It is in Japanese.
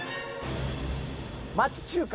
「町中華」